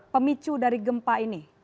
pemicu dari gempa ini